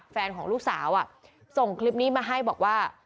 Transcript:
แฟนของลูกสาวส่งคลิปนี้มาให้บอกว่า